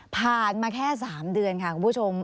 มาแค่๓เดือนค่ะคุณผู้ชม